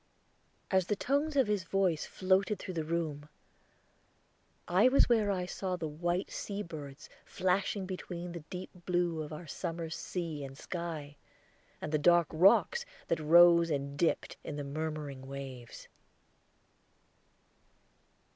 As the tones of his voice floated through the room, I was where I saw the white sea birds flashing between the blue deeps of our summer sea and sky, and the dark rocks that rose and dipped in the murmuring waves.